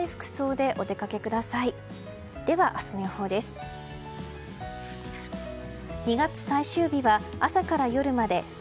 では、明日の予報です。